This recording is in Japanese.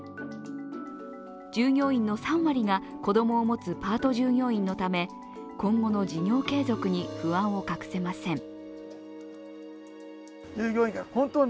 従業員の３割が子供を持つパート従業員のため今後の事業継続に不安を隠せません。